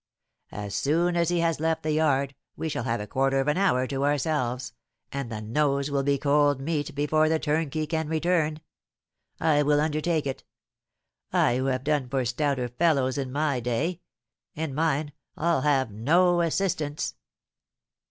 As soon as he has left the yard we shall have a quarter of an hour to ourselves, and the nose will be cold meat before the turnkey can return. I will undertake it, I who have done for stouter fellows in my day; and mind, I'll have no assistance!"